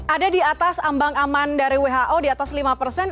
ada di atas ambang aman dari who di atas lima persen